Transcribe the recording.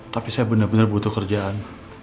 tapi saya benar benar butuh kerjaan